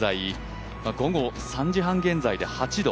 午後３時半現在で、８度。